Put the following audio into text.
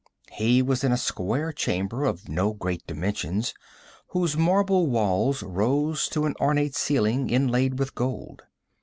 He was in a square chamber of no great dimensions, whose marble walls rose to an ornate ceiling, inlaid with gold.